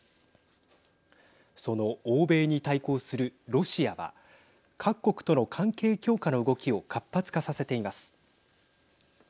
その欧米に対抗するロシアは各国との関係強化の動きを活発化させています。